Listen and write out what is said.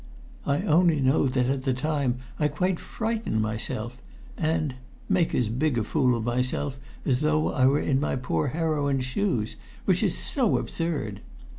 I only know that at the time I quite frighten myself and make as big a fool of myself as though I were in my poor heroine's shoes which is so absurd!"